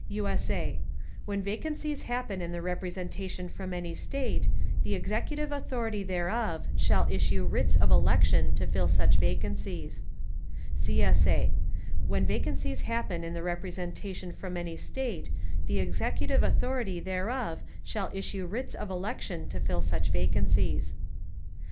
[USA] When vacancies happen in the Representation from any State, the Executive Authority thereof shall issue Writs of Election to fill such Vacancies. [CSA] When vacancies happen in the representation from any State, the Executive authority thereof shall issue writs of election to fill such vacancies.